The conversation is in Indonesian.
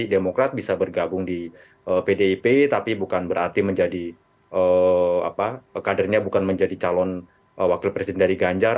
demokrat bisa bergabung di pdip tapi bukan berarti menjadi kadernya bukan menjadi calon wakil presiden dari ganjar